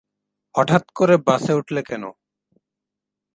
হঠাৎ করে বাসে উঠলে কেন?